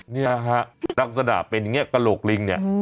เนี่ยฮะลักษณะเป็นอย่างนี้กระโหลกลิงเนี่ย